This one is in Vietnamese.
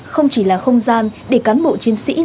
không chỉ là không gian để cán bộ chiến sĩ